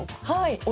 はい。